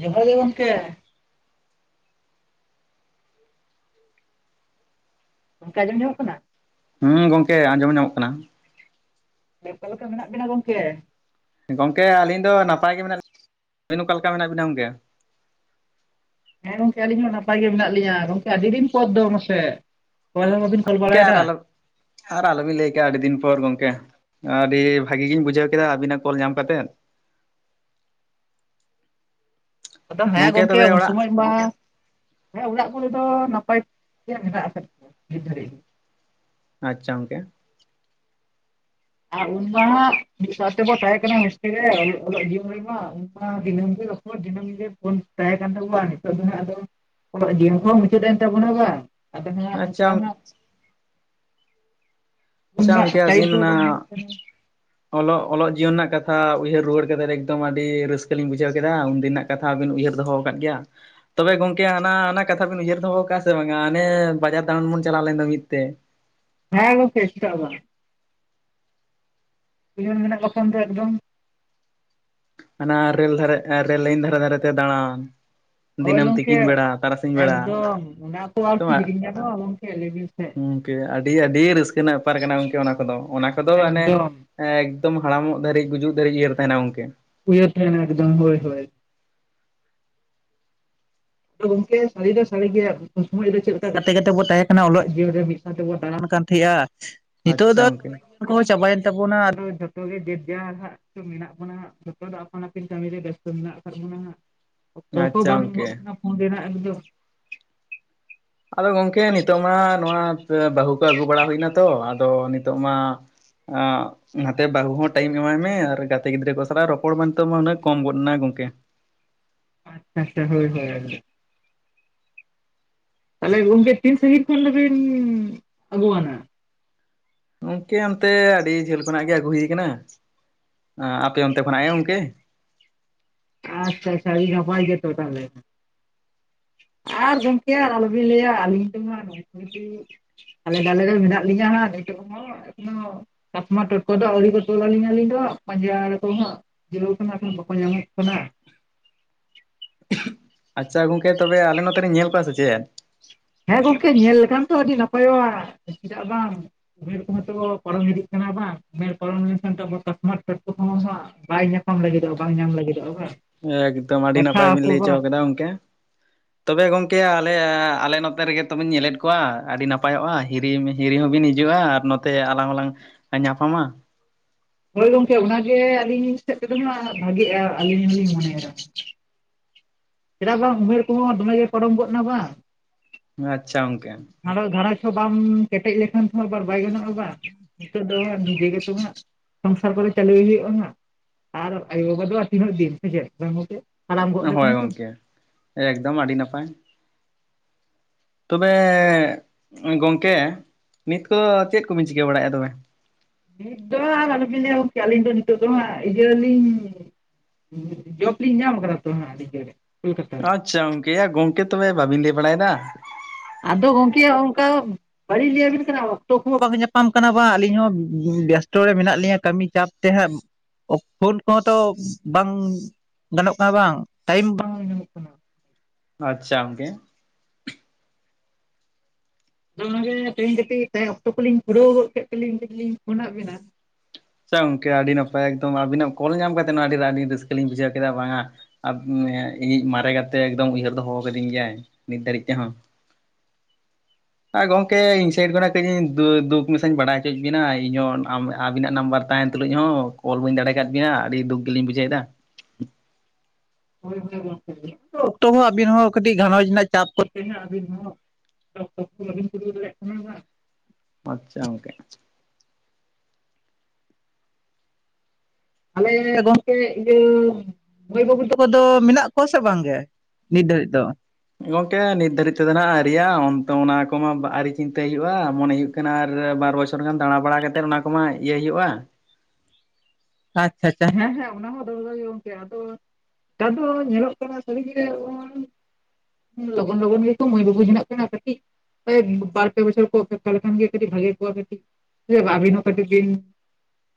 ᱡᱚᱦᱟᱨ ᱜᱮ ᱜᱚᱢᱠᱮ᱾ ᱜᱚᱢᱠᱮ ᱟᱡᱸᱡᱚᱢ ᱧᱟᱢᱚᱜ ᱠᱟᱱᱟ? ᱦᱩᱸ ᱜᱚᱝᱠᱮ ᱟᱸᱡᱚᱢ ᱧᱟᱢᱚᱜ ᱠᱟᱱᱟ᱾ ᱛᱟᱞᱦᱮ ᱚᱠᱟ ᱞᱮᱠᱟ ᱢᱮᱱᱟᱜ ᱵᱤᱱᱟ ᱜᱚᱝᱠᱮ? ᱜᱚᱝᱠᱮ ᱟᱹᱞᱤᱧ ᱫᱚ ᱱᱟᱯᱟᱭ ᱜᱮ ᱢᱮᱱᱟᱜ [inaudible] ᱾ ᱟᱹᱵᱤᱱ ᱚᱠᱟ ᱞᱮᱠᱟ ᱢᱮᱱᱟᱜ ᱵᱤᱱᱟ ᱜᱚᱝᱠᱮ? ᱦᱮᱸ ᱜᱚᱝᱠᱮ ᱟᱹᱞᱤᱧ ᱢᱟ ᱱᱟᱯᱟᱭ ᱜᱮ ᱢᱮᱱᱟᱜ ᱞᱤᱧᱟ᱾ ᱜᱚᱢᱝᱮ ᱟᱹᱰᱤ ᱫᱤᱱ ᱯᱚᱨ ᱫᱚ ᱢᱟᱥᱮ᱾ ᱠᱚᱞ ᱦᱚᱸ ᱵᱟᱵᱤᱱ ᱠᱚᱞ ᱜᱚᱝᱠᱮ ᱟᱨ ᱵᱟᱲᱟᱭᱫᱟ᱾ ᱟᱞᱚ ᱟᱨ ᱟᱞᱚᱵᱤᱱ ᱞᱟᱹᱭ ᱠᱮᱜᱼᱟ ᱟᱹᱰᱤ ᱫᱤᱱ ᱯᱚᱨ ᱜᱚᱝᱠᱮ᱾ ᱟᱹᱰᱤ ᱵᱷᱟᱜᱮ ᱜᱤᱧ ᱵᱩᱡᱷᱟᱹᱣ ᱠᱮᱫᱟ ᱟᱵᱤᱱᱟᱜ ᱠᱚᱞ ᱧᱟᱢ ᱠᱟᱛᱮᱫ᱾ ᱟᱫᱚ ᱦᱮᱸ ᱜᱚᱝᱠᱮ ᱜᱚᱢᱝᱠᱮ ᱛᱚᱵᱮ ᱩᱱ ᱚᱲᱟᱜ ᱥᱚᱢᱚᱭ ᱢᱟ ᱦᱮᱸ ᱚᱲᱟᱜ ᱠᱚᱨᱮ ᱫᱚ ᱱᱟᱯᱟᱭ ᱢᱮᱱᱟᱜ ᱟᱠᱟᱫ ᱠᱚᱣᱟ ᱱᱤᱛ ᱫᱷᱟᱹᱨᱤᱡ ᱫᱟ᱾ ᱟᱪᱪᱷᱟ ᱜᱚᱝᱠᱮ᱾ ᱟᱨ ᱩᱱ ᱢᱟ ᱢᱤᱫ ᱥᱟᱶ ᱛᱮᱵᱚ ᱛᱟᱦᱮᱸ ᱠᱟᱱᱟ ᱦᱳᱥᱴᱮᱞ ᱨᱮ ᱚᱞᱚᱜ ᱡᱤᱭᱚᱱ ᱨᱮᱢᱟ ᱩᱱ ᱢᱟ ᱫᱤᱱᱟᱹᱢ ᱜᱮ ᱨᱚ ᱯᱚᱲ ᱫᱤᱱᱟᱢ ᱜᱮ ᱯᱷᱳᱱ ᱛᱟᱦᱮᱸ ᱠᱟᱱ ᱛᱟᱠᱚᱣᱟ ᱟᱨ ᱱᱤᱛᱚᱜ ᱫᱚ ᱱᱟᱦᱟᱜ ᱟᱫᱚ ᱚᱞᱚᱜ ᱡᱤᱭᱚᱱ ᱠᱚᱦᱚᱸ ᱢᱩᱪᱟᱹᱫ ᱮᱱ ᱛᱟᱵᱚᱱᱟ ᱵᱟᱝ ᱟᱫᱚ ᱦᱟᱸᱜ ᱟᱪᱪᱷᱟ ᱚᱱᱠᱟ ᱦᱟᱸᱜ ᱯᱷᱳᱱ ᱟᱪᱪᱷᱟ ᱨᱮᱱᱟᱜ ᱜᱚᱝᱠᱮ ᱴᱟᱭᱤᱢ ᱟᱹᱵᱤᱱ ᱠᱚᱦᱚᱸ ᱚᱱᱟ ᱵᱟᱝ ᱧᱟᱢᱚᱜ ᱠᱟᱱᱟ᱾ ᱚᱞᱚᱜ ᱚᱞᱚᱜ ᱡᱤᱭᱚᱱ ᱨᱮᱱᱟᱜ ᱠᱟᱛᱷᱟ ᱩᱭᱦᱟᱹᱨ ᱨᱩᱣᱟᱹᱲ ᱠᱟᱛᱮᱫ ᱮᱠᱫᱚᱢ ᱟᱹᱰᱤ ᱨᱟᱹᱥᱠᱟᱹ ᱞᱤᱧ ᱵᱩᱡᱷᱟᱹᱣ ᱠᱮᱫᱟ ᱩᱱᱫᱤᱱᱟᱜ ᱠᱟᱛᱷᱟ ᱟᱵᱤᱱ ᱩᱭᱦᱟᱹᱨ ᱫᱚᱦᱚ ᱟᱠᱟᱫ ᱜᱮᱭᱟ? ᱛᱚᱵᱮ ᱜᱚᱢᱠᱮ ᱦᱟᱱᱟ ᱦᱟᱱᱟ ᱠᱟᱛᱷᱟ ᱵᱤᱱ ᱩᱭᱦᱟᱹᱨ ᱫᱚᱦᱚ ᱠᱟᱜ-ᱟ ᱥᱮ ᱵᱟᱝᱟ ᱦᱟᱱᱮ ᱵᱟᱡᱟᱨ ᱫᱟᱬᱟᱱ ᱵᱚᱱ ᱪᱟᱞᱟᱣ ᱞᱮᱱ ᱫᱚ ᱢᱤᱫ ᱛᱮ? ᱦᱮᱸ ᱜᱚᱢᱠᱮ ᱪᱮᱫᱟᱜ ᱵᱟᱝ, ᱡᱤᱭᱚᱱ ᱢᱮᱱᱟᱜ ᱵᱟ ᱠᱷᱟᱱ ᱫᱚ ᱮᱠᱫᱚᱢ, ᱦᱟᱱᱟ ᱨᱮᱹᱞ ᱫᱷᱟᱨᱮ ᱨᱮᱹᱞ ᱞᱟᱭᱤᱱ ᱫᱷᱟᱨᱮ ᱫᱷᱟᱨᱮ ᱛᱮ ᱫᱟᱬᱟᱱ, ᱦᱳᱭ ᱫᱤᱱᱟᱹᱢ ᱜᱚᱢᱠᱮ ᱛᱤᱠᱤᱱ ᱵᱮᱲᱟ ᱛᱟᱨᱟᱥᱤᱧ ᱵᱮᱲᱟ ᱮᱠᱫᱚᱢ ᱚᱱᱟ ᱠᱚ ᱟᱨᱠᱤ ᱦᱤᱲᱤᱧ ᱜᱟᱱᱚᱜ-ᱟ, ᱜᱚᱢᱠᱮ ᱞᱟᱹᱭ ᱵᱮᱱ ᱥᱮ? ᱜᱚᱢᱠᱮ ᱟᱹᱰᱤ ᱟᱹᱰᱤ ᱨᱟᱹᱥᱠᱟᱹ ᱨᱮᱱᱟᱜ ᱵᱮᱯᱟᱨ ᱠᱟᱱᱟ ᱜᱚᱢᱠᱮ ᱚᱱᱟ ᱠᱚᱫᱚ ᱚᱱᱟ ᱠᱚᱫᱚ ᱢᱟᱱᱮ, ᱮᱠᱫᱚᱢ ᱮᱠᱫᱚᱢ ᱦᱟᱲᱟᱢᱚᱜ ᱫᱷᱟᱹᱨᱤᱡ ᱜᱩᱡᱩᱜ ᱫᱷᱟᱹᱨᱤᱡ ᱩᱭᱦᱟᱹᱨ ᱛᱟᱦᱮᱱᱟ ᱜᱚᱢᱠᱮ ᱾ ᱩᱭᱦᱟᱹᱨ ᱛᱟᱦᱮᱱᱟ ᱮᱠᱫᱚᱢ ᱦᱳᱭ ᱦᱳᱭ, ᱟᱫᱚ ᱜᱚᱝᱠᱮ ᱥᱟᱹᱨᱤ ᱫᱚ ᱥᱟᱹᱨᱤ ᱜᱮ ᱩᱱ ᱥᱩᱢᱟᱹᱭ ᱫᱚ ᱪᱮᱫ ᱞᱮᱠᱟ ᱜᱟᱛᱮ ᱜᱟᱛᱮ ᱵᱚ ᱛᱟᱦᱮᱸ ᱠᱟᱱᱟ ᱚᱞᱚᱜ ᱡᱤᱭᱚᱱ ᱨᱮ ᱾ ᱛᱮᱵᱚᱱ ᱫᱟᱬᱟᱱ ᱠᱟᱱ ᱛᱟᱦᱮᱸᱜ-ᱟ ᱱᱤᱛᱳᱜ ᱟᱪᱪᱷᱟ ᱫᱚ ᱜᱚᱝᱠᱮ ᱠᱚᱦᱚᱸ ᱪᱟᱵᱟᱭᱮᱱ ᱛᱟᱵᱚᱱᱟ ᱟᱫᱚ ᱡᱚᱛᱚ ᱜᱮ ᱡᱮᱡᱟᱨ ᱦᱟᱸᱜ ᱢᱮᱱᱟᱜ ᱵᱚᱱᱟ ᱦᱟᱸᱜ, ᱡᱚᱛᱚ ᱫᱚ ᱟᱯᱟᱱ ᱟᱹᱯᱤᱱ ᱠᱟᱹᱢᱤ ᱨᱮ ᱵᱮᱥᱛᱚ ᱢᱮᱱᱟᱜ ᱟᱠᱟᱫ ᱵᱚᱱᱟ ᱦᱟᱸᱜ, ᱚᱠᱛᱚ ᱦᱚᱸ ᱟᱪᱪᱷᱟ ᱵᱟᱝ ᱜᱚᱝᱠᱮ ᱠᱟᱱᱟ ᱯᱷᱳᱱ ᱨᱮᱱᱟᱜ ᱮᱠᱫᱚᱢ, ᱟᱫᱚ ᱜᱚᱢᱠᱮ ᱱᱤᱛᱚᱜ ᱢᱟ ᱱᱚᱣᱟ ᱵᱟᱹᱦᱩ ᱠᱚ ᱟᱹᱜᱩ ᱵᱟᱲᱟ ᱦᱳᱭᱮᱱᱟ ᱛᱚ ᱟᱫᱚ ᱱᱤᱛᱚᱜ ᱢᱟ ᱟᱸ ᱱᱟᱛᱮ ᱵᱟᱹᱦᱩ ᱦᱚᱸ ᱴᱟᱭᱤᱢ ᱮᱢᱟᱭ ᱢᱮ ᱟᱨ ᱜᱟᱛᱮ ᱜᱟᱛᱮ ᱜᱤᱫᱽᱨᱟᱹ ᱠᱚ ᱥᱟᱞᱟᱜ ᱨᱚᱯᱚᱲ ᱢᱮᱱᱛᱮ ᱢᱟ ᱠᱚᱢ ᱜᱚᱫ ᱱᱟ ᱜᱚᱝᱠᱮ ᱾ ᱟᱪᱪᱷᱟ ᱟᱪᱷᱟ ᱦᱳᱭ ᱦᱳᱭ, ᱛᱟᱦᱚᱞᱮ ᱜᱚᱢᱠᱮ ᱛᱤᱱ ᱥᱟᱺᱦᱤᱧ ᱠᱷᱚᱱ ᱫᱩᱵᱤᱱ ᱟᱹᱜᱩᱣᱟᱱᱟ? ᱜᱚᱢᱠᱮ ᱚᱱᱛᱮ ᱟᱹᱰᱤ ᱡᱷᱟᱹᱞ ᱠᱷᱚᱱᱟᱜ ᱜᱮ ᱟᱹᱜᱩ ᱦᱳᱭ ᱟᱠᱟᱱᱟ ᱟᱯᱮ ᱚᱱᱛᱮ ᱠᱷᱚᱱᱟᱜ ᱮ ᱜᱚᱢᱠᱮ ᱾ ᱟᱪᱪᱷᱟ ᱟᱪᱪᱷᱟ ᱟᱹᱰᱤ ᱱᱟᱯᱟᱭ ᱜᱮ ᱛᱚᱵᱮ ᱛᱟᱦᱚᱞᱮ ᱾ ᱟᱨ ᱜᱚᱢᱠᱮ ᱟᱞᱚᱵᱤᱱ ᱞᱟᱹᱭᱟ ᱟᱹᱞᱤᱧ ᱛᱮᱢᱟ ᱱᱚᱝᱠᱟ ᱜᱮ, ᱦᱟᱞᱮ ᱰᱟᱞᱮ ᱨᱮ ᱢᱮᱱᱟᱜ ᱞᱤᱧᱟᱹ ᱦᱟᱸᱜ ᱱᱤᱛᱚᱜ ᱦᱚᱸ ᱮᱠᱷᱚᱱ ᱦᱚᱸ, ᱠᱟᱥᱢᱟ ᱴᱚᱴᱠᱚ ᱫᱚ ᱟᱹᱣᱨᱤ ᱠᱚ ᱛᱚᱞᱟᱞᱤᱧᱟ ᱟᱹᱞᱤᱧ ᱫᱚ ᱦᱟᱸᱜ ᱯᱟᱸᱡᱟᱭ ᱫᱟᱠᱚ ᱦᱟᱸᱜ ᱾ ᱪᱮᱨᱳ ᱠᱚ ᱱᱟᱠᱷᱟᱱ ᱵᱟᱠᱚ ᱧᱟᱢᱚᱜ ᱠᱟᱱᱟ ᱾ ᱟᱪᱪᱷᱟ ᱜᱚᱢᱠᱮ ᱛᱚᱵᱮ ᱟᱞᱮ ᱱᱚᱛᱮ ᱨᱮᱧ ᱧᱮᱞ ᱠᱚᱣᱟ ᱥᱮ ᱪᱮᱫ? ᱦᱮᱸ ᱜᱚᱢᱠᱮ ᱧᱮᱞ ᱞᱮᱠᱷᱟᱱ ᱛᱚ ᱟᱹᱰᱤ ᱱᱟᱯᱟᱭᱚᱜ-ᱟ, ᱪᱮᱫᱟᱜ ᱵᱟᱝ? ᱩᱢᱮᱨ ᱠᱚᱦᱚᱸ ᱛᱚ ᱯᱟᱨᱚᱢ ᱤᱫᱤᱜ ᱠᱟᱱᱟ ᱵᱟᱝ ᱩᱢᱮᱨ ᱯᱟᱨᱚᱢ ᱞᱮᱱᱠᱷᱟᱱ ᱠᱟᱥᱢᱟᱨ ᱴᱚᱴᱠᱚ ᱠᱚᱦᱚᱸ ᱦᱟᱸᱜ ᱵᱟᱭ ᱧᱟᱯᱟᱢ ᱞᱟᱹᱜᱤᱫᱚᱜ-ᱟ ᱵᱟᱝ ᱧᱟᱢ ᱞᱟᱹᱜᱤᱫᱚᱜ-ᱟ ᱵᱟᱝ? ᱮᱠᱫᱚᱢ ᱟᱹᱰᱤ ᱵᱟᱪᱷᱟᱣ ᱱᱟᱯᱟᱭ ᱵᱤᱱ ᱟᱠᱚ ᱞᱟᱹᱭ ᱦᱚᱪᱚ ᱵᱟᱝ ᱟᱠᱟᱫᱟ ᱜᱚᱢᱠᱮ ᱾ ᱛᱚᱵᱮ ᱜᱚᱢᱠᱮ ᱟᱞᱮ ᱟᱞᱮ ᱱᱚᱛᱮ ᱨᱮᱜᱮ ᱛᱚᱵᱮᱧ ᱧᱮᱞᱮᱫ ᱠᱚᱣᱟ ᱟᱹᱰᱤ ᱱᱟᱯᱟᱭᱚᱜ-ᱟ ᱾ ᱦᱤᱨᱤ ᱦᱤᱨᱤ ᱦᱚᱸᱵᱤᱱ ᱦᱤᱡᱩᱜ-ᱟ ᱟᱨ ᱱᱚᱛᱮ ᱟᱞᱟᱝ ᱦᱚᱞᱟᱝ ᱧᱟᱯᱟᱢᱟ᱾ ᱦᱳᱭ ᱜᱚᱢᱠᱮ ᱚᱱᱟᱜᱮ ᱟᱹᱞᱤᱧ ᱥᱮᱫ ᱛᱮᱫᱚ ᱦᱸᱟᱜ ᱵᱷᱟᱜᱤᱜ-ᱟ ᱟᱹᱞᱤᱧ ᱦᱚᱸᱞᱤᱧ ᱢᱚᱱᱮᱭᱮᱫᱟ ᱾ ᱪᱮᱫᱟᱜ ᱵᱟᱝ ᱩᱢᱮᱨ ᱠᱚ ᱦᱚᱸ ᱫᱚᱢᱮ ᱜᱮ ᱯᱟᱨᱚᱢ ᱜᱚᱫ ᱱᱟ ᱵᱟᱝ, ᱟᱪᱪᱷᱟ ᱜᱚᱝᱠᱮ, ᱟᱫᱚ ᱜᱷᱟᱨᱚᱸᱧᱡᱽ ᱦᱚᱸ ᱵᱟᱢ ᱠᱮᱴᱮᱡ ᱞᱮᱠᱷᱟᱱ ᱟᱵᱟᱨ ᱵᱟᱭ ᱜᱟᱱᱚᱜ-ᱟ ᱵᱟᱝ? ᱦᱤᱛᱳᱜ ᱦᱟᱸᱜ ᱱᱤᱡᱮ ᱜᱮᱛᱚ ᱦᱟᱸᱜ ᱥᱚᱝᱥᱟᱨ ᱠᱚᱨᱮ ᱪᱟᱹᱞᱩᱭ ᱦᱩᱭᱩᱜ-ᱟ ᱦᱟᱸᱜ, ᱟᱨ ᱟᱭᱳ ᱵᱟᱵᱟ ᱫᱚ ᱦᱟᱸᱜ ᱛᱤᱱᱟᱹᱜ ᱫᱤᱱ ᱥᱮᱪᱮᱫ ᱵᱟᱝ ᱜᱚᱢᱠᱮ? ᱦᱳᱭ ᱜᱚᱢᱠᱮ ᱮᱠᱫᱚᱢ ᱟᱹᱰᱤ ᱱᱟᱯᱟᱭ, ᱛᱚᱵᱮ ᱜᱚᱢᱠᱮ ᱱᱤᱛ ᱠᱚ ᱫᱚ ᱪᱮᱫ ᱠᱚᱵᱤᱱ ᱪᱤᱠᱟᱹ ᱵᱟᱲᱟᱭᱮᱫ-ᱟ ᱛᱚᱵᱮ? ᱱᱤᱛ ᱫᱚ ᱦᱟᱸᱜ ᱟᱨ ᱟᱞᱚᱵᱤᱱ ᱞᱟᱹᱭᱟ ᱜᱚᱢᱠᱮ ᱟᱹᱞᱤᱧ ᱫᱚ ᱱᱤᱛᱚᱜ ᱫᱚ ᱦᱟᱸᱜ ᱤᱭᱟᱹᱞᱤᱧ, ᱡᱚᱵᱽ ᱞᱤᱧ ᱧᱟᱢ ᱟᱠᱟᱫᱟ ᱛᱚ ᱦᱟᱸᱜ ᱟᱹᱰᱤᱱ ᱨᱮ ᱠᱳᱞᱠᱟᱛᱟ ᱨᱮ ᱾ ᱟᱪᱪᱷᱟ [unintelligible] ᱜᱚᱢᱠᱮ ᱛᱚ ᱵᱮ ᱵᱟᱵᱤᱱ ᱞᱟᱹᱭ ᱵᱟᱲᱟᱭᱮᱫᱟ ᱾ ᱟᱫᱚ ᱜᱚᱢᱠᱮ ᱚᱱᱠᱟ, ᱵᱟᱹᱞᱤᱧ ᱞᱟᱹᱭ ᱟᱵᱤᱱ ᱠᱟᱱᱟ ᱚᱠᱛᱚ ᱠᱚ ᱦᱚᱸ ᱵᱟᱝ ᱧᱟᱯᱟᱢ ᱠᱟᱱᱟ ᱵᱟᱝ ᱟᱹᱞᱤᱧ ᱦᱚᱸ ᱵᱮᱥᱛᱚ ᱨᱮ ᱢᱮᱱᱟᱜ ᱞᱤᱧᱟ ᱠᱟᱹᱢᱤ ᱪᱟᱯ, ᱛᱮ ᱦᱮᱸ ᱯᱷᱳᱱ ᱠᱚᱦᱚᱸ ᱛᱚ ᱵᱟᱝ ᱜᱟᱱᱚᱜ ᱠᱟᱱᱟ ᱵᱟᱝ ᱴᱟᱭᱤᱢ ᱵᱟᱝ ᱧᱟᱢᱚᱜ ᱠᱟᱱᱟ ᱾ ᱟᱪᱪᱷᱟ ᱜᱚᱝᱠᱮ᱾ ᱟᱫᱚ ᱚᱱᱟᱜᱮ ᱛᱮᱦᱤᱧ ᱠᱟᱹᱴᱤᱡ ᱛᱮᱦᱮᱸᱧ ᱚᱠᱛᱚ ᱠᱚᱞᱤᱧ ᱠᱩᱲᱟᱹᱣ ᱜᱚᱫ ᱠᱮᱫ ᱛᱮᱞᱤᱧ ᱛᱮᱞᱤᱧ ᱯᱷᱳᱱᱟᱫ ᱵᱤᱱᱟ ᱾ ᱟᱪᱪᱷᱟ ᱜᱚᱝᱠᱮ ᱟᱹᱰᱤ ᱱᱟᱯᱟᱭ ᱮᱠᱫᱚᱢ ᱟᱵᱤᱱᱟᱜ ᱠᱚᱞ ᱧᱟᱢ ᱠᱟᱛᱮᱫ ᱟᱹᱰᱤ ᱟᱹᱰᱤ ᱨᱟᱹᱥᱠᱟᱹ ᱞᱤᱧ ᱵᱩᱡᱷᱟᱹᱣ ᱠᱮᱫᱟ ᱵᱟᱝᱟ᱾ ᱟᱨ ᱤᱧᱤᱡ ᱢᱟᱨᱮ ᱜᱟᱛᱮ ᱮᱠᱫᱚᱢ ᱩᱭᱦᱟᱹᱨ ᱫᱚᱦᱚ ᱟᱠᱟᱹᱫᱤᱧ ᱜᱮᱭᱟᱭ ᱱᱤᱛ ᱫᱷᱟᱹᱨᱤᱡ ᱛᱮᱦᱚᱸᱼᱼ ᱟᱨ ᱜᱚᱝᱠᱮ ᱤᱧ ᱥᱟᱭᱤᱰ ᱠᱷᱚᱱᱟᱜ ᱠᱟᱹᱡ ᱤᱧ ᱫᱩ ᱫᱩᱠ ᱢᱮᱥᱟᱧ ᱵᱟᱰᱟᱭ ᱦᱚᱪᱚᱭᱮᱫ ᱵᱤᱱᱟ ᱤᱧᱦᱚᱸ ᱟᱹᱵᱤᱱᱟᱜᱼᱼ ᱱᱟᱢᱵᱟᱨ ᱛᱟᱦᱮᱱ ᱛᱩᱞᱩᱡ ᱦᱚᱸ ᱠᱚᱞ ᱵᱟᱹᱧ ᱫᱟᱲᱮ ᱠᱟᱫ ᱵᱤᱱᱟ ᱟᱹᱰᱤ ᱫᱩᱠ ᱜᱮᱞᱤᱧ ᱵᱩᱡᱷᱟᱹᱣᱮᱫᱟ᱾ ᱚᱠᱛᱚ ᱦᱚᱸ ᱟᱹᱵᱤᱱ ᱦᱚᱸ ᱠᱟᱹᱴᱤᱡ ᱜᱷᱟᱨᱚᱸᱡᱽ ᱨᱮᱱᱟᱜ ᱪᱟᱯ ᱠᱚᱛᱮ ᱦᱚ ᱟᱵᱤᱱ ᱦᱚ ᱼᱼ [inaudible] ᱟᱪᱪᱷᱟ ᱜᱚᱝᱠᱮ᱾ ᱟᱞᱮ ᱜᱚᱝᱠᱮ ᱤᱭᱟᱹᱼᱼ ᱢᱟᱹᱭ ᱵᱟᱹᱵᱩ ᱛᱟᱠᱚ ᱫᱚ ᱢᱮᱱᱟᱜ ᱠᱚᱣᱟ ᱥᱮ ᱵᱟᱝ ᱜᱮ ᱱᱤᱛ ᱫᱷᱟᱹᱨᱤᱡ ᱫᱚ? ᱜᱚᱝᱠᱮ ᱱᱤᱛ ᱫᱷᱟᱹᱨᱤᱡ ᱛᱮᱫᱚ ᱱᱟᱜ ᱟᱭᱨᱤ-ᱟ ᱚᱱᱛᱮ ᱚᱱᱟ ᱠᱚᱢᱟ ᱟᱹᱣᱨᱤ ᱪᱤᱱᱛᱟᱹᱭ ᱦᱩᱭᱩᱜᱼᱟ ᱢᱚᱱᱮ ᱦᱩᱭᱩᱜᱼᱼ ᱦᱩᱭᱩᱜ ᱟᱨ ᱵᱟᱨ ᱵᱚᱪᱷᱚᱨ ᱜᱟᱱ ᱫᱟᱬᱟᱵᱟᱲᱟ ᱠᱟᱛᱮᱫ ᱚᱱᱟ ᱠᱚᱢᱟ ᱤᱭᱟᱹ ᱦᱩᱭᱩᱜᱼᱟ᱾ ᱟᱪᱪᱷᱟ ᱟᱪᱪᱷᱟ ᱦᱮᱸ ᱦᱮᱸ ᱚᱱᱟ ᱦᱚᱸ [inaudible] ᱜᱚᱝᱠᱮ ᱟᱫᱚᱼᱼ ᱱᱮᱛᱟᱨ ᱫᱚ ᱧᱮᱞᱚᱜ ᱠᱟᱱᱟ ᱥᱟᱹᱨᱤᱜᱮᱼᱼ ᱞᱚᱜᱚᱱ ᱞᱚᱜᱚᱱ ᱜᱮᱠᱚ ᱢᱟᱹᱭ ᱵᱟᱹᱵᱩ ᱦᱮᱱᱟᱜ ᱠᱟᱱᱟ ᱠᱟᱹᱴᱤᱼᱼ ᱠᱚᱭᱮᱠ ᱵᱟᱨ ᱯᱮ ᱵᱚᱪᱷᱚᱨ ᱚᱯᱮᱠᱠᱷᱟ ᱞᱮᱠᱷᱟᱡ ᱜᱮ ᱠᱟᱹᱤᱡ ᱵᱷᱟᱜᱤ ᱠᱚᱜᱼᱟ ᱠᱟᱹᱴᱤᱡ ᱟᱹᱵᱤᱱ ᱦᱚᱸ ᱠᱟᱹᱴᱤᱡ ᱵᱤᱱᱼᱼ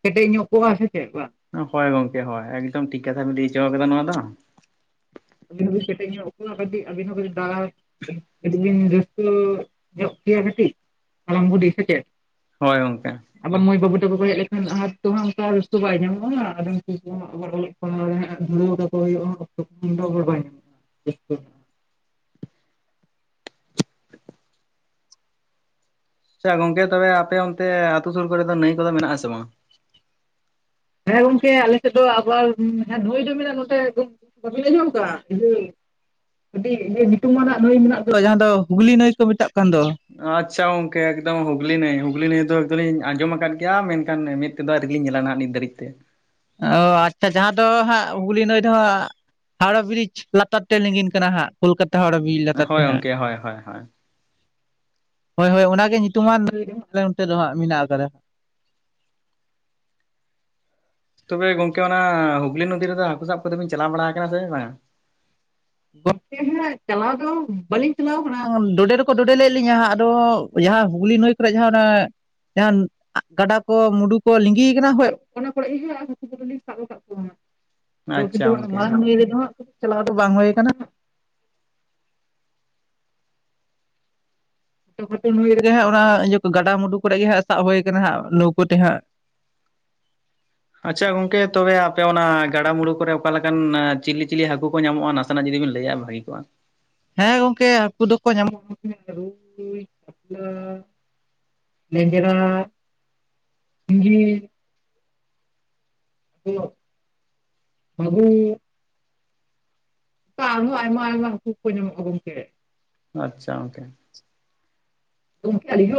ᱠᱮᱴᱮᱡ ᱧᱚᱜ ᱠᱚᱜᱼᱟ ᱥᱮ ᱪᱮᱫ ᱵᱟ? ᱦᱳᱭ ᱜᱚᱝᱠᱮ ᱦᱳᱭ ᱮᱠᱫᱚᱢ ᱴᱷᱤᱠ ᱠᱟᱛᱷᱟ ᱵᱮ ᱞᱟᱹᱭ ᱪᱚ ᱠᱟᱫᱟ ᱱᱚᱣᱟ ᱫᱚᱼᱼ ᱟᱹᱵᱤᱱ ᱦᱚᱸᱵᱤᱱ ᱠᱮᱴᱮᱡ ᱧᱚᱜ ᱠᱟᱹᱴᱤᱡ ᱟᱹᱵᱤᱱ ᱦᱚᱸ ᱠᱟᱹᱴᱤᱡ ᱫᱟᱞᱟᱞᱼᱼ ᱠᱟᱹᱴᱤᱡ ᱵᱤᱱ ᱨᱟᱹᱥᱠᱟᱹ ᱧᱚᱜ ᱠᱮᱭᱟ ᱠᱟᱹᱴᱤᱡ ᱦᱟᱲᱟᱢ ᱵᱩᱰᱷᱤ ᱥᱮᱪᱮᱫ? ᱦᱳᱭ ᱜᱚᱝᱠᱮ᱾ ᱟᱵᱟᱨ ᱢᱟᱹᱭ ᱵᱟᱹᱵᱩ ᱛᱟᱠᱚ ᱠᱚ ᱦᱮᱡ ᱞᱮᱱᱠᱷᱟᱱ ᱟᱨ ᱛᱳ ᱦᱟᱸᱜ ᱚᱱᱠᱟ ᱨᱟᱹᱥᱟᱹ ᱵᱟᱭ ᱧᱟᱢᱚᱜᱼᱟ᱾ [unintelligible] ᱧᱟᱢᱚᱜᱼᱟ [unintelligible] ᱟᱪᱪᱷᱟ ᱜᱚᱝᱠᱮ ᱛᱚᱵᱮ ᱟᱯᱮ ᱚᱱᱛᱮ ᱟᱛᱳ ᱥᱩᱨ ᱠᱚᱨᱮ ᱫᱚ ᱱᱟᱹᱭ ᱠᱚᱫᱚ ᱢᱮᱱᱟᱜ ᱟᱥᱮ ᱵᱟᱝ? ᱦᱮᱸ ᱜᱚᱝᱠᱮ ᱟᱞᱮᱥᱮᱫ ᱫᱚ ᱟᱵᱟᱨ ᱱᱟᱹᱭ ᱫᱚ ᱢᱮᱱᱟᱜ ᱱᱚᱛᱮᱼᱼ [inaudible] ᱟᱹᱰᱤ ᱧᱩᱛᱩᱢᱢᱟᱱᱟᱜ ᱱᱟᱹᱭ ᱢᱮᱱᱟᱜ ᱫᱚ ᱡᱟᱦᱟᱸ ᱫᱚ ᱦᱩᱜᱽᱞᱤ ᱱᱟᱹᱭ ᱠᱚ ᱢᱮᱛᱟᱜ ᱠᱟᱱ ᱫᱚ᱾ ᱟᱪᱪᱷᱟ ᱜᱚᱝᱠᱮ ᱮᱠᱫᱚᱢ ᱦᱩᱜᱽᱞᱤ ᱱᱟᱹᱭ ᱦᱩᱜᱽᱞᱤ ᱱᱟᱹᱭ ᱫᱚ ᱮᱠᱫᱚᱢᱞᱤᱧ ᱟᱸᱡᱚᱢ ᱠᱟᱫ ᱜᱮᱭᱟ ᱢᱮᱱᱠᱷᱟᱱᱼᱼ ᱢᱮᱥ ᱛᱮᱫᱚ ᱟᱣᱨᱤᱞᱤᱧ ᱧᱮᱞᱟ ᱱᱟᱦᱟᱜ ᱱᱤᱛ ᱫᱷᱟᱹᱨᱤᱡ ᱛᱮ᱾ ᱚ ᱟᱪᱪᱷᱟ ᱡᱟᱦᱟᱸ ᱫᱚ ᱦᱟᱸᱜ ᱦᱩᱜᱞᱤ ᱱᱟᱭ ᱫᱚ ᱦᱟᱸᱜᱼᱼ ᱦᱟᱣᱲᱟ ᱵᱨᱤᱡᱽ ᱞᱟᱛᱟᱨ ᱛᱮ ᱞᱤᱸᱜᱤᱱ ᱠᱟᱱᱟ ᱦᱟᱸᱜ ᱠᱳᱞᱠᱟᱛᱟ ᱦᱟᱣᱲᱟ ᱵᱨᱤᱡᱽ ᱞᱟᱛᱟᱨ ᱛᱮ ᱦᱳᱭ ᱦᱟᱸᱜᱼᱼ ᱜᱚᱝᱠᱮ ᱦᱳᱭ ᱦᱳᱭ ᱦᱳᱭ ᱦᱳᱭ ᱦᱳᱭ ᱚᱱᱟᱜᱮ ᱧᱩᱛᱩᱢᱟᱱ ᱞᱟᱹᱭ ᱟᱞᱮ ᱱᱚᱱᱛᱮ ᱫᱚ ᱦᱟᱸᱜ ᱢᱤᱱᱟᱜ ᱟᱠᱟᱫᱟ᱾ ᱛᱚᱵᱮ ᱜᱚᱝᱠᱮ ᱚᱱᱟ ᱦᱩᱜᱞᱤ ᱱᱚᱫᱤ ᱨᱮᱫᱚ ᱦᱟᱹᱠᱩ ᱥᱟᱵ ᱠᱚᱛᱮ ᱵᱤᱱ ᱪᱟᱞᱟᱣ ᱵᱟᱲᱟ ᱠᱟᱱᱟ ᱥᱮ ᱵᱟᱝᱟ? [unintelligible] ᱪᱟᱞᱟᱣ ᱫᱚ ᱵᱟᱹᱞᱤᱧ ᱪᱟᱞᱟᱣ ᱠᱟᱱᱟ ᱰᱚᱰᱮ ᱫᱚᱠᱚ ᱰᱚᱰᱮ ᱞᱮᱫ ᱞᱤᱧᱟ ᱟᱫᱚ ᱡᱟᱦᱟᱸ ᱦᱩᱜᱽᱞᱤ ᱱᱟᱹᱭᱼᱼ ᱠᱚᱨᱮ ᱡᱟᱦᱟᱸ ᱚᱱᱮᱼᱼ ᱡᱟᱦᱟᱸ ᱜᱟᱰᱟ ᱠᱚ ᱢᱩᱰᱩ ᱠᱚ ᱞᱤᱸᱜᱤ ᱠᱟᱱᱟ ᱦᱳ ᱚᱱᱟ ᱠᱚᱨᱮ ᱦᱟᱠᱩ [inaudible] ᱥᱟᱵ ᱠᱟᱫ ᱠᱚ᱾ ᱟᱫᱚ ᱟᱪᱪᱷᱟ ᱠᱤᱱᱛᱩ ᱜᱚᱝᱠᱮ ᱢᱟᱱ ᱱᱤᱭ ᱨᱮᱫᱚ ᱦᱟᱸᱜ ᱪᱟᱞᱟᱣ ᱫᱚ ᱵᱟᱝ ᱦᱩᱭ ᱠᱟᱱᱟ᱾ [unintelligible] ᱚᱱᱟ ᱤᱭᱟᱹ ᱜᱟᱰᱟᱢᱩᱰᱩ ᱠᱚᱨᱮ ᱜᱮ ᱦᱟᱸᱜ ᱥᱟᱵ ᱦᱩᱭ ᱠᱟᱱᱟ ᱦᱟᱸᱜ ᱞᱟᱹᱣᱠᱟᱹ ᱛᱮ ᱦᱟᱸᱜ᱾ ᱟᱪᱪᱷᱟ ᱜᱚᱝᱠᱮ ᱛᱚᱵᱮ ᱟᱯᱮ ᱚᱱᱟ ᱜᱟᱰᱟ ᱢᱩᱩᱲᱩ ᱠᱚᱨᱮ ᱚᱠᱟᱞ ᱞᱮᱠᱟᱱ ᱪᱤᱞᱤ ᱪᱤᱞᱤ ᱦᱟᱹᱠᱩ ᱠᱚ ᱧᱟᱢᱚᱜᱼᱟ ᱱᱟᱥᱼᱼ ᱱᱟᱥᱮ ᱱᱟ ᱡᱩᱫᱤᱵᱤᱱ ᱞᱟᱹᱭᱟ ᱠᱮᱜ-ᱟ ᱵᱷᱟᱹᱜᱤ ᱠᱚᱜᱼᱟ? ᱦᱮᱸ ᱜᱚᱝᱠᱮ ᱦᱟᱹᱠᱩ ᱫᱚᱠᱚ ᱧᱟᱢᱚᱜ [unintelligible] ᱨᱩᱭ ᱠᱟᱯᱞᱟ᱾ ᱞᱮᱸᱧᱡᱨᱟ, ᱥᱤᱸᱜᱤ᱾ ᱢᱟᱜᱩᱨ᱾ ᱟᱨᱦᱚ ᱟᱭᱢᱟ ᱟᱭᱢᱟ ᱦᱟᱠᱩ ᱠᱚ ᱧᱟᱢᱚᱜ-ᱟ ᱜᱚᱝᱠᱮ᱾ ᱟᱪᱪᱷᱟ ᱜᱚᱝᱠᱮ᱾ ᱜᱚᱜᱠᱮ ᱟᱞᱤᱧ ᱫᱚ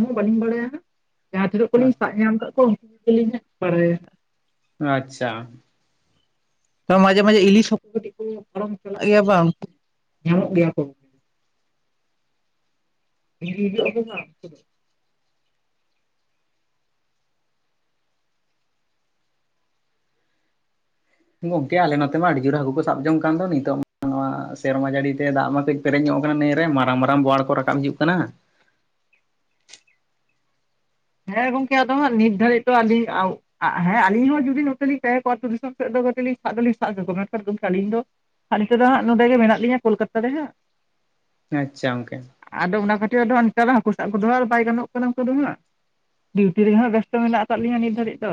ᱦᱟᱸᱜ [unintelligible] ᱵᱟᱹᱞᱤᱧ ᱵᱟᱲᱟᱭᱟ ᱦᱟᱸᱜ᱾ ᱡᱟᱦᱟᱸ ᱛᱤᱱᱟᱹᱜ ᱠᱚᱞᱤᱧ ᱥᱟᱵ ᱧᱟᱢ ᱟᱠᱟᱫ ᱠᱚᱣᱟ ᱩᱱᱠᱩ ᱠᱚᱜᱮᱞᱤᱧ ᱦᱟᱸᱜ ᱵᱟᱲᱟᱭᱟ᱾ ᱟᱪᱪᱷᱟ᱾ ᱛᱚ ᱢᱟᱡᱷᱮ ᱢᱟᱡᱷᱮ ᱤᱞᱤᱥ ᱦᱚᱸᱠᱩ ᱠᱟᱹᱴᱤᱡ ᱠᱚ ᱯᱟᱨᱚᱢ ᱪᱟᱞᱟᱜ ᱜᱮᱭᱟ ᱵᱟᱝ, ᱧᱟᱢᱚᱜ ᱜᱮᱭᱟ ᱠᱚ᱾ [unintelligible] ᱜᱚᱝᱠᱮ ᱟᱞᱮ ᱱᱚᱛᱮ ᱢᱟ ᱟᱹᱰᱤ ᱡᱳᱨ ᱦᱟᱹᱠᱩ ᱠᱚ ᱥᱟᱵ ᱡᱚᱝ ᱠᱟᱱ ᱫᱚ ᱱᱤᱛᱚᱜ [unintelligible] ᱢᱟ ᱥᱮᱨᱢᱟ ᱡᱟᱹᱲᱤ ᱛᱮ ᱫᱟᱜ ᱢᱟ ᱠᱟᱹᱡ ᱯᱮᱨᱮᱡ ᱧᱚᱜ ᱠᱟᱱᱟ ᱱᱟᱹᱭ ᱨᱮ ᱢᱟᱨᱟᱝ ᱢᱟᱨᱟᱝ ᱵᱳᱣᱟᱲ ᱠᱚ ᱨᱟᱠᱟᱵ ᱦᱤᱡᱩᱜ ᱠᱟᱱᱟ᱾ ᱦᱮᱸ ᱜᱚᱝᱠᱮ ᱟᱫᱚ ᱦᱟᱸᱜ ᱱᱤᱛ ᱫᱷᱟᱨᱤ ᱫᱚ ᱟᱸᱞᱤᱧ ᱟᱸᱣ ᱟ ᱦᱮᱸ ᱟᱹᱞᱤᱧ ᱦᱚᱸ ᱡᱩᱫᱤ ᱱᱚᱛᱮᱞᱤᱧ ᱛᱟᱦᱮᱸ ᱠᱚᱜ-ᱟ᱾ ᱫᱤᱥᱚᱢ ᱥᱮᱫ ᱫᱚ ᱠᱟᱹᱡᱤᱡ ᱞᱤᱧ ᱥᱟᱵ ᱫᱚ ᱞᱤᱧ ᱥᱟᱵ ᱠᱮᱠᱚᱣᱟ, ᱢᱮᱱᱠᱷᱟᱱ ᱜᱚᱝᱠᱮ ᱟᱹᱞᱤᱧ ᱫᱚ ᱟᱨ ᱱᱤᱛᱚᱜ ᱫᱚ ᱦᱟᱸᱜ ᱱᱚᱰᱮ ᱜᱮ ᱢᱮᱱᱟᱜ ᱞᱤᱧᱟᱹ ᱠᱳᱞᱠᱟᱛᱟ ᱨᱮ ᱦᱟᱸᱜ᱾ ᱟᱪᱪᱷᱟ ᱜᱚᱝᱠᱮ᱾ ᱟᱫᱚ ᱚᱱᱟ ᱠᱷᱟᱹᱛᱤᱨ ᱟᱫᱚ ᱱᱮᱛᱟᱨ ᱦᱟᱹᱠᱩ ᱥᱟᱵ ᱠᱚ ᱠᱫᱚ ᱟᱨ ᱵᱟᱭ ᱜᱟᱱᱚᱜ ᱠᱟᱱᱟ ᱚᱱᱠᱟ ᱫᱚ ᱦᱟᱸᱜ᱾ ᱰᱤᱭᱩᱴᱤ ᱨᱮ ᱦᱟᱸᱜ ᱵᱮᱥᱛᱚ ᱢᱮᱱᱟᱜ ᱟᱠᱟᱫ ᱞᱤᱧᱟᱹ ᱱᱤᱛ ᱫᱷᱟᱹᱨᱤᱡ ᱫᱚ᱾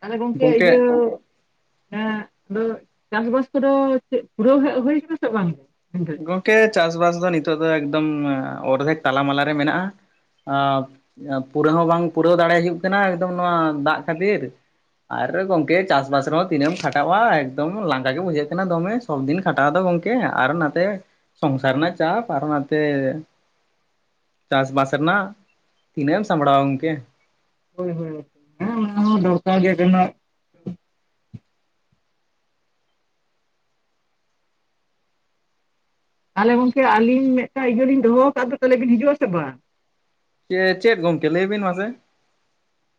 ᱛᱟᱦᱚᱞᱮ ᱜᱚᱝᱠᱮ ᱤᱭᱟᱹ ᱦᱮᱸ ᱟᱫᱚ ᱪᱟᱥ-ᱵᱟᱥ ᱠᱚᱫᱚ ᱪᱮᱫ ᱯᱩᱨᱟᱹᱣ ᱦᱮᱡ ᱦᱩᱭ ᱠᱟᱱᱟ ᱥᱮ ᱵᱟᱝ? ᱫᱷᱟᱹᱨᱤᱡ? ᱜᱚᱝᱠᱮ ᱪᱟᱥ-ᱵᱟᱥ ᱫᱚ ᱱᱤᱛᱚᱜ ᱫᱚ ᱮᱠᱫᱚᱢ ᱚᱨᱫᱷᱮᱠ ᱛᱟᱞᱟ-ᱢᱟᱞᱟ ᱨᱮ ᱢᱮᱱᱟᱜ-ᱟ᱾ ᱟ ᱯᱩᱨᱟᱹ ᱦᱚᱸ ᱵᱟᱝ ᱯᱩᱨᱟᱹᱣ ᱫᱟᱲᱮ ᱦᱩᱭᱩᱜ ᱠᱟᱱᱟ ᱮᱠᱫᱚᱢ ᱱᱚᱣᱟ ᱫᱟᱜ ᱠᱷᱟᱹᱛᱤᱨ᱾ ᱟᱨ ᱜᱚᱝᱠᱮ ᱪᱟᱥ-ᱵᱟᱥ ᱨᱮᱦᱚᱸ ᱛᱤᱱᱟᱹᱜ-ᱮᱢ ᱠᱷᱟᱴᱟᱜᱼᱟ, ᱮᱠᱫᱚᱢ ᱞᱟᱸᱜᱟ ᱜᱮ ᱵᱩᱡᱷᱟᱹᱜ ᱠᱟᱱᱟ ᱫᱚᱢᱮ᱾ ᱥᱚᱵᱫᱤᱱ ᱠᱷᱟᱴᱟᱣ ᱫᱚ ᱜᱚᱝᱠᱮ ᱟᱨ ᱱᱟᱛᱮ ᱥᱚᱝᱥᱟᱨ ᱨᱮᱱᱟᱜ ᱪᱟᱯ ᱟᱨᱚ ᱱᱟᱛᱮ ᱪᱟᱥ-ᱵᱟᱥ ᱨᱮᱱᱟᱜ ᱛᱤᱱᱟᱹᱜ ᱮᱢ ᱥᱟᱢᱵᱲᱟᱣᱟ ᱜᱚᱝᱠᱮ᱾ ᱦᱳᱭ ᱦᱳᱭ ᱦᱮᱸ ᱚᱱᱟ ᱦᱚᱸ ᱫᱚᱨᱠᱟᱨ ᱜᱮ ᱠᱟᱱᱟ᱾ ᱛᱟᱦᱚᱞᱮ ᱜᱚᱝᱠᱮ ᱟᱹᱞᱤᱧ ᱢᱤᱫᱴᱟᱝ ᱤᱭᱟᱹᱞᱤᱧ ᱫᱚᱦᱚᱸ ᱟᱠᱟᱫ ᱫᱚ ᱛᱟᱦᱚᱞᱮ ᱵᱤᱱ ᱦᱤᱡᱩᱜ-ᱟ ᱥᱮ ᱵᱟᱝ? ᱪᱮ-ᱪᱮᱫ ᱜᱚᱢᱠᱮ ᱞᱟᱹᱭ ᱵᱤᱱ ᱢᱟᱥᱮ?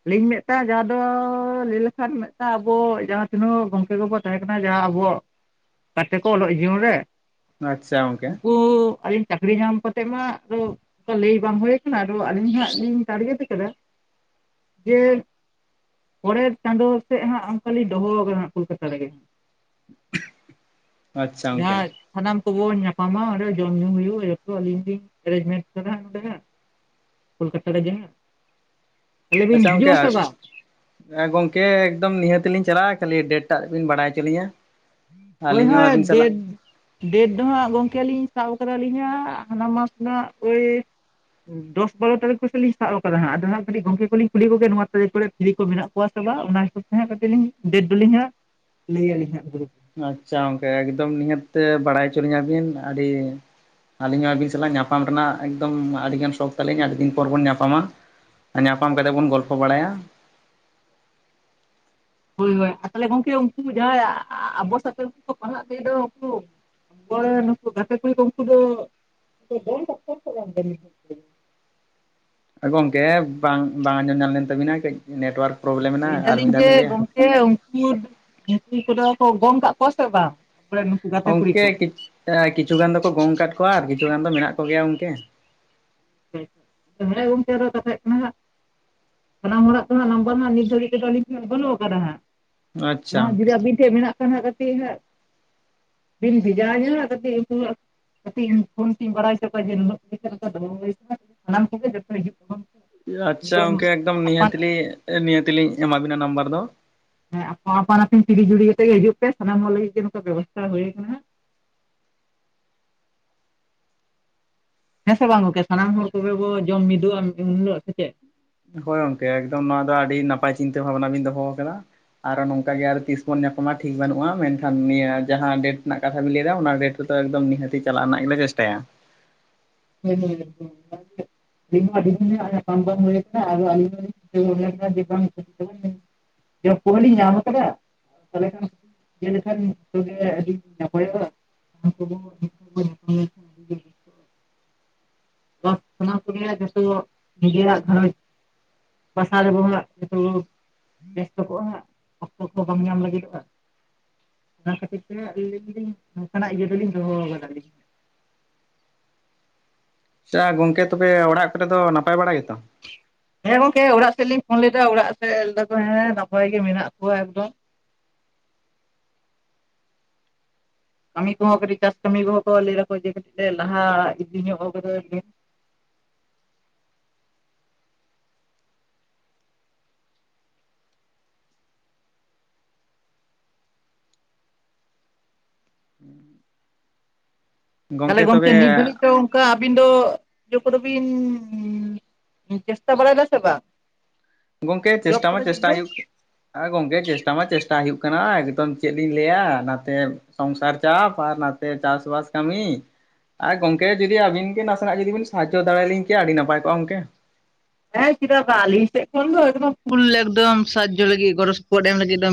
ᱟᱹᱞᱤᱧ ᱢᱤᱫᱴᱟᱝ ᱡᱟᱦᱟᱸ ᱫᱚ ᱞᱟᱹᱭ ᱞᱮᱠᱷᱟᱱ ᱢᱤᱫᱴᱟᱝ ᱟᱵᱚ ᱡᱟᱦᱟᱸ ᱛᱤᱱᱟᱹᱜ ᱜᱚᱝᱠᱮ ᱠᱚ ᱠᱚ ᱛᱟᱦᱮᱸ ᱠᱟᱱᱟ ᱡᱟᱦᱟᱸ ᱟᱵᱚᱣᱟᱜ ᱜᱟᱛᱮ ᱠᱚ ᱚᱞᱚᱜ ᱡᱤᱭᱚᱱ ᱨᱮ ᱟᱪᱪᱷᱟ ᱜᱚᱝᱠᱮ ᱩᱱᱠᱩ ᱟᱹᱞᱤᱧ ᱪᱟᱹᱠᱨᱤ ᱧᱟᱢ ᱠᱟᱛᱮᱫ ᱢᱟ ᱟᱫᱚ ᱚᱝᱠᱟ ᱞᱟᱹᱭ ᱵᱟᱝ ᱦᱳᱭ ᱟᱠᱟᱱᱟ, ᱟᱫᱚ ᱟᱹᱞᱤᱧ ᱦᱟᱸᱜ ᱞᱤᱧ ᱴᱟᱨᱜᱮᱴ ᱟᱠᱟᱫᱟ ᱡᱮ ᱯᱚᱨᱮᱨ ᱪᱟᱸᱫᱳ ᱥᱮᱫ ᱦᱟᱸᱜ ᱚᱱᱠᱟᱞᱤᱧ ᱫᱚᱦᱚᱣ ᱟᱠᱟᱱᱟ ᱦᱟᱸᱜ ᱠᱳᱞᱠᱟᱛᱟ ᱨᱮᱜᱮ᱾ ᱟᱪᱪᱷᱟ ᱜᱚᱝᱠᱮ [unintelligible] ᱥᱟᱱᱟᱢ ᱠᱚᱵᱚᱱ ᱧᱟᱯᱟᱢᱟ᱾ ᱚᱸᱰᱮ ᱡᱚᱢ-ᱧᱩ ᱦᱩᱭᱩᱜ-ᱟ ᱡᱷᱚᱛᱚ ᱟᱹᱞᱤᱧ ᱞᱤᱧ ᱮᱨᱮᱧᱡᱢᱮᱱᱴ ᱟᱠᱟᱫᱟ ᱦᱟᱸᱜ ᱱᱚᱸᱰᱮ ᱦᱟᱸᱜ᱾ ᱠᱳᱞᱠᱟᱛᱟ ᱨᱮᱜᱮ ᱦᱟᱸᱜ᱾ ᱛᱟᱦᱚᱞᱮ ᱵᱤᱱ ᱟᱪᱪᱷᱟ ᱜᱚᱝᱠᱮ ᱦᱤᱡᱩᱜ ᱟᱰ ᱟᱥᱮ ᱵᱟᱝ ᱦᱮᱸ ᱜᱚᱝᱠᱮ ᱮᱠᱫᱚᱢ ᱱᱤᱦᱟᱹᱛ ᱞᱤᱧ ᱪᱟᱞᱟᱜ-ᱟ, ᱠᱷᱟᱹᱞᱤ ᱰᱮᱴ ᱴᱟᱜ ᱵᱤᱱ ᱵᱟᱲᱟᱭ ᱦᱚᱪᱚ ᱞᱤᱧᱟ᱾ ᱡᱳᱭ ᱟᱹᱞᱤᱧ ᱦᱚᱸ ᱡᱳᱭ ᱟᱹᱵᱤᱱ ᱥᱟᱞᱟᱜ ᱰᱮᱰ ᱰᱮᱴ ᱫᱚ ᱦᱟᱸᱜ ᱜᱚᱝᱠᱮ ᱞᱤᱧ ᱞᱤᱧ ᱥᱟᱵ ᱟᱠᱟᱫᱟᱞᱤᱧ ᱦᱟᱸᱜ ᱦᱟᱱᱟ ᱢᱟᱥ ᱨᱮᱱᱟᱜ ᱳᱭ ᱫᱚᱥ ᱵᱟᱨᱚ ᱛᱟᱹᱨᱤᱠᱷ ᱠᱚ ᱥᱮ ᱞᱤᱧ ᱥᱟᱵ ᱟᱠᱟᱫᱟ ᱦᱟᱸᱜ᱾ ᱟᱫᱚ ᱦᱟᱸᱜ ᱠᱟᱹᱴᱤᱡ ᱜᱚᱝᱠᱮ ᱠᱚᱞᱤᱧ ᱠᱩᱞᱤ ᱠᱚᱜᱮ ᱱᱚᱣᱟ ᱛᱟᱹᱨᱤᱠᱷ ᱠᱚᱨᱮᱜ ᱯᱷᱤᱨᱨᱤ ᱠᱚ ᱢᱮᱱᱟᱜ ᱠᱚᱣᱟ ᱥᱮ ᱵᱟᱝ, ᱚᱱᱟ ᱦᱤᱥᱟᱹᱵᱽ ᱛᱮ ᱦᱟᱸᱜ ᱠᱟᱹᱴᱤᱡ ᱞᱤᱧ ᱰᱮᱴ ᱫᱚᱞᱤᱧ ᱦᱟᱸᱜ ᱞᱟᱹᱭ ᱟᱹᱞᱤᱧ ᱦᱟᱸᱜ ᱜᱨᱩᱯ ᱨᱮ ᱟᱪᱪᱷᱟ ᱜᱚᱝᱠᱮ ᱮᱠᱫᱚᱢ ᱱᱤᱦᱟᱹᱛ ᱛᱮ ᱵᱟᱲᱟᱭ ᱦᱚᱪᱚ ᱞᱤᱧᱟᱹᱵᱤᱱ᱾ ᱟᱹᱰᱤ ᱟᱹᱞᱤᱧ ᱦᱚᱸ ᱟᱹᱵᱤᱱ ᱥᱟᱞᱟᱜ ᱧᱟᱯᱟᱢ ᱨᱮᱱᱟᱜ ᱮᱠᱫᱚᱢ ᱟᱹᱰᱤᱜᱟᱱ ᱥᱚᱠᱷ ᱛᱟᱹᱞᱤᱧ, ᱟᱹᱰᱤ ᱫᱤᱱ ᱯᱚᱨ ᱵᱚᱱ ᱧᱟᱯᱟᱢᱟ᱾ ᱟ ᱧᱟᱯᱟᱢ ᱠᱟᱛᱮ ᱵᱚᱱ ᱜᱚᱞᱯᱷᱚ ᱵᱟᱲᱟᱭᱟ᱾ ᱦᱳᱭ ᱦᱳᱭ ᱛᱟᱦᱚᱞᱮ ᱜᱚᱝᱠᱮ ᱩᱱᱠᱩ ᱡᱟᱦᱟᱸᱭ ᱟᱵᱚ ᱥᱟᱛᱮ ᱜᱮᱠᱚ ᱯᱟᱲᱦᱟᱜ ᱛᱟᱦᱮᱸᱜ ᱫᱚ ᱩᱱᱠᱩ ᱟᱵᱚᱨᱮᱱ ᱱᱩᱠᱩ ᱜᱟᱛᱮ ᱠᱩᱲᱤᱠᱚ ᱩᱱᱠᱩ ᱫᱚ [inaudible] ᱮ ᱜᱚᱝᱠᱮ ᱵᱟᱝ ᱵᱟᱝ ᱟᱸᱡᱚᱢ ᱧᱟᱢ ᱞᱮᱱ ᱛᱟᱹᱵᱤᱱᱟ ᱠᱟᱹᱡ ᱱᱮᱴᱳᱣᱟᱨᱠ ᱯᱨᱚᱵᱞᱮᱢ ᱮᱱᱟ, ᱞᱟᱹᱭ ᱟᱨ ᱢᱤᱫ ᱫᱟᱞᱤᱧ ᱫᱷᱟᱣ ᱵᱤᱱ ᱞᱮᱭᱟ? ᱜᱚᱝᱠᱮ ᱡᱮ ᱩᱱᱠᱩ, ᱩᱱᱠᱩ ᱠᱚᱫᱚ ᱠᱚ ᱜᱚᱝ ᱠᱟᱜ ᱠᱚᱣᱟ ᱥᱮ ᱵᱟᱝ? [inaudible] ᱜᱚᱝᱠᱮ ᱠᱚ ᱠᱤ ᱮᱸ ᱠᱤᱪᱷᱩ ᱜᱟᱱ ᱫᱚᱠᱚ ᱜᱚᱝ ᱟᱠᱟᱫ ᱠᱚᱣᱟ ᱟᱨ ᱠᱤᱪᱷᱩ ᱜᱟᱱ ᱫᱚ ᱢᱮᱱᱟᱜ ᱠᱚ ᱜᱮᱭᱟ ᱜᱚᱝᱠᱮ᱾ ᱦᱮᱸ ᱜᱚᱝᱠᱮ ᱟᱨᱚ ᱠᱟᱛᱷᱟ ᱦᱩᱭᱩᱜ ᱠᱟᱱᱟ ᱦᱟᱸᱜ ᱥᱟᱱᱟᱢ ᱦᱚᱲᱟᱜ [inaudible] ᱱᱟᱢᱵᱟᱨ ᱱᱟᱜ ᱱᱤᱛ ᱫᱷᱟᱹᱵᱤᱡ ᱛᱮᱫᱚ ᱟᱹᱞᱤᱧ ᱴᱷᱮᱱ ᱵᱟᱹᱱᱩᱜ ᱟᱠᱟᱫᱟ ᱦᱟᱸᱜ᱾ ᱚᱱᱟ ᱟᱪᱪᱷᱟ ᱦᱚᱸ ᱜᱚᱝᱠᱮ ᱡᱩᱫᱤ ᱟᱹᱵᱤᱱ ᱴᱷᱮᱡ ᱢᱮᱱᱟᱜ ᱠᱷᱟᱱ ᱦᱟᱸᱜ ᱠᱟᱹᱴᱤᱡ ᱦᱟᱸᱜ ᱵᱤᱱ ᱵᱷᱮᱡᱟ ᱤᱧᱟ ᱠᱟᱹᱴᱤᱡ ᱩᱱᱠᱩᱣᱟᱜ ᱠᱟᱹᱴᱤᱡ ᱤᱧ ᱯᱷᱳᱱ ᱛᱤᱧ ᱵᱟᱲᱥ ᱦᱚᱪᱚ ᱠᱚᱣᱟ ᱡᱮ [inaudible] ᱥᱟᱱᱟᱢ ᱠᱚᱜᱮ ᱡᱷᱚᱛᱚ ᱦᱤᱡᱩᱜ ᱛᱟᱵᱚᱱ ᱯᱮ ᱟᱪᱪᱷᱟ ᱜᱚᱝᱠᱮ ᱮᱠᱫᱚᱢ ᱟᱯᱟᱱ ᱱᱤᱦᱟᱹᱛᱞᱤ ᱱᱤᱦᱟᱹᱛᱞᱤᱧ ᱮᱢᱟᱵᱤᱱᱟ ᱱᱟᱢᱵᱟᱨ ᱫᱚ᱾ ᱦᱮᱸ ᱟᱯᱟᱱ ᱟᱯᱟᱱ-ᱟᱯᱤᱱ ᱛᱤᱨᱤ ᱡᱩᱨᱤ ᱠᱟᱛᱮᱜ ᱜᱮ ᱦᱤᱡᱩᱜ ᱯᱮ, ᱥᱟᱱᱟᱢ ᱦᱚᱲ ᱞᱟᱹᱜᱤᱫ ᱜᱮ ᱱᱚᱝᱠᱟ ᱵᱮᱵᱚᱥᱛᱟ ᱦᱩᱭ ᱟᱠᱟᱱᱟ ᱦᱟᱸᱜ᱾ ᱦᱮᱸ ᱥᱮ ᱵᱟᱝ ᱜᱚᱝᱠᱮ, ᱥᱟᱱᱟᱢ ᱦᱚᱲ ᱠᱚᱜᱮ ᱵᱚ ᱡᱚᱢ ᱢᱤᱫᱚᱜᱼᱟ ᱩᱱ ᱦᱤᱞᱳᱜ ᱥᱮ ᱪᱮᱫ? ᱦᱳᱭ ᱜᱚᱝᱠᱮ ᱮᱠᱫᱚᱢ ᱱᱚᱣᱟ ᱫᱚ ᱟᱹᱰᱤ ᱱᱟᱯᱟᱭ ᱪᱤᱱᱛᱟᱹ ᱵᱷᱟᱵᱱᱟ ᱵᱤᱱ ᱫᱚᱦᱚ ᱟᱠᱟᱫᱟ᱾ ᱟᱨᱚ ᱱᱚᱝᱠᱟ ᱜᱮ ᱟᱨ ᱛᱤᱥ ᱵᱚᱱ ᱧᱟᱯᱟᱢᱟ ᱴᱷᱤᱠ ᱵᱟᱹᱱᱩᱜᱼᱟ, ᱢᱮᱱᱠᱷᱟᱱ ᱱᱤᱭᱟᱹ ᱡᱟᱦᱟᱸ ᱰᱮᱴ ᱨᱮᱱᱟᱜ ᱠᱟᱛᱷᱟ ᱵᱤᱱ ᱞᱟᱹᱭ ᱮᱫᱟ ᱚᱱᱟ ᱰᱮᱴ ᱨᱮᱫᱚ ᱮᱠᱫᱚᱢ ᱱᱤᱦᱟᱹᱛᱤ ᱪᱟᱞᱟᱜ ᱨᱮᱱᱟᱜ ᱜᱮᱞᱮ ᱪᱮᱥᱴᱟᱭᱟ᱾ ᱦᱳᱭ ᱦᱳᱭ [inaudible] ᱫᱤᱱ ᱦᱚᱸ ᱟᱹᱰᱤ ᱫᱤᱱ ᱦᱟᱸᱜ ᱧᱟᱯᱟᱢ ᱵᱟᱝ ᱦᱩᱭ ᱠᱟᱱᱟ ᱟᱫᱟ ᱟᱞᱤᱧ ᱦᱚᱸᱞᱤᱧ [inaudible] ᱡᱚᱵ ᱠᱚᱦᱚᱸ ᱞᱤᱧ ᱧᱟᱢ ᱟᱠᱟᱫᱟ, ᱛᱟᱦᱚᱞᱮ ᱠᱷᱟᱱ ᱤᱭᱟᱹ ᱞᱮᱠᱷᱟᱱ ᱡᱚᱛᱚᱜᱮ ᱟᱹᱰᱤ ᱱᱟᱯᱟᱭᱚᱜ-ᱟ᱾ [inaudible] [inaudible] ᱡᱚᱛᱚ ᱱᱤᱡᱮᱨᱟᱜ ᱜᱷᱟᱨᱚᱸᱡᱽ [inaudible] ᱵᱮᱥᱛᱚ ᱠᱚᱜᱼᱟ ᱚᱠᱛᱚ ᱠᱚᱦᱚᱸ ᱵᱟᱝ ᱧᱟᱢ ᱞᱟᱹᱜᱤᱫᱚᱜᱼᱟ᱾ ᱚᱱᱟ ᱠᱷᱟᱹᱛᱤᱨ ᱛᱮ ᱟᱹᱞᱤᱧ ᱞᱤᱧ ᱱᱚᱝᱠᱟ ᱱᱟᱜ ᱤᱭᱟᱹ ᱫᱚᱞᱤᱧ ᱫᱚᱦᱚ ᱟᱠᱟᱫᱟ ᱞᱤᱧ᱾ ᱟᱪᱪᱷᱟ ᱜᱚᱝᱠᱮ ᱛᱚᱵᱮ ᱚᱲᱟᱜ ᱠᱚᱨᱮ ᱫᱚ ᱱᱟᱯᱟᱭ ᱵᱟᱲᱟ ᱜᱮ ᱛᱚ? ᱦᱮᱸ ᱜᱚᱝᱠᱮ ᱚᱲᱟᱜ ᱥᱮᱫ ᱞᱤᱧ ᱯᱷᱳᱱ ᱞᱮᱫᱟ ᱚᱲᱟᱜ ᱥᱮᱫ ᱠᱮᱭ ᱫᱟᱠᱚ ᱦᱮᱸ ᱱᱟᱯᱟᱭ ᱜᱮ ᱢᱮᱱᱟᱜ ᱠᱚᱣᱟ ᱮᱠᱫᱚᱢ᱾ ᱠᱟᱹᱢᱤ ᱠᱚᱦᱚᱸ ᱠᱟᱹᱴᱤᱡ ᱪᱟᱥ ᱠᱟᱹᱢᱤ ᱠᱚᱦᱚᱸ ᱠᱚ ᱞᱟᱹᱭ ᱫᱟᱠᱚ ᱡᱮ ᱠᱟᱹᱴᱤᱡ ᱠᱮ ᱞᱟᱦᱟ ᱤᱫᱤ ᱧᱚᱜ ᱠᱟᱫᱟ [inaudible] ᱛᱟᱦᱚᱞᱮ ᱜᱚᱝᱠᱮ ᱱᱤᱛ ᱫᱷᱵᱤᱡ ᱫᱚ ᱚᱱᱠᱟ ᱟᱵᱤᱱ ᱫᱚ ᱤᱭᱟᱹ ᱠᱚᱫᱚ ᱵᱤᱱ ᱩᱸᱻ ᱪᱮᱥᱴᱟ ᱵᱟᱲᱟᱭᱮᱫᱟ ᱥᱮ ᱵᱟᱝ? ᱜᱚᱝᱠᱮ ᱡᱚᱵ ᱪᱮᱥᱴᱟ ᱠᱚ ᱢᱟ ᱞᱟᱹᱜᱤᱫ ᱫᱚ? ᱪᱮᱥᱴᱟᱭ ᱦᱩᱭᱩᱜ, ᱮ ᱜᱚᱝᱠᱮ ᱪᱮᱥᱴᱟ ᱢᱟ ᱪᱮᱥᱴᱟ ᱦᱩᱭᱩᱜ ᱠᱟᱱᱟ ᱮᱠᱫᱚᱢ ᱪᱮᱫ ᱤᱧ ᱞᱟᱹᱭᱟ ᱱᱟᱛᱮ ᱥᱚᱝᱥᱟᱨ ᱪᱟᱯ ᱟᱨ ᱱᱟᱛᱮ ᱪᱟᱥᱵᱟᱥ ᱠᱟᱹᱢᱤ᱾ ᱟᱨ ᱜᱚᱝᱠᱮ ᱡᱩᱫᱤ ᱟᱵᱤᱱ ᱜᱮ ᱱᱟᱥᱮ ᱱᱟᱜ ᱡᱩᱫᱤ ᱵᱤᱱ ᱥᱟᱦᱟᱡᱡᱚ ᱫᱮᱲᱮᱭᱟᱞᱤᱧ ᱠᱮᱭᱟ ᱟᱹᱰᱤ ᱱᱟᱯᱟᱭ ᱠᱚᱜᱼᱟ ᱜᱚᱝᱠᱮ᱾ ᱦᱮᱸ ᱪᱮᱫᱟᱜ ᱟᱹᱞᱤᱧ ᱥᱮᱫ ᱠᱷᱚᱱ ᱫᱚ ᱮᱠᱚᱢ ᱯᱷᱩᱞ ᱮᱫᱚᱢ ᱥᱟᱦᱟᱡᱡᱚ ᱞᱟᱹᱜᱤᱫ ᱜᱚᱲᱚ ᱥᱚᱯᱚᱰ ᱮᱢ ᱞᱟᱜᱤᱫ ᱫᱚ